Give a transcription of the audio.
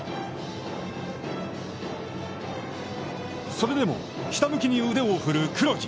それでも、ひたむきに腕を振る黒木。